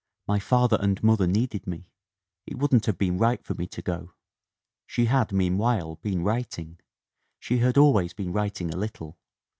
My father and mother needed me. It wouldn't have been right for me to go. v She had, meanwhile, been writing; she had always been writing a little.